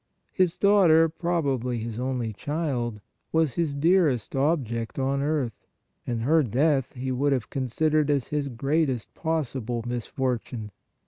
His daughter, probably his only child, was his dearest object on earth, and her death he would have considered as his greatest possible misfortune.